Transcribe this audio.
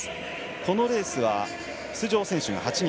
このレースは、出場選手が８人。